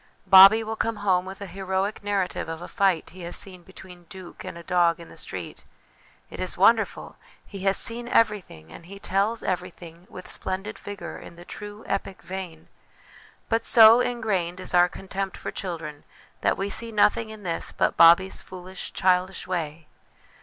Bobbie will come home with a heroic narrative of a fight he has seen between 'Duke' and a dog in the street. It is wonderful ! He has seen everything, and he tells everything with splendid vigour in the true epic vein ; but so ingrained is our contempt for children that we see nothing in this but Bobbie's foolish childish way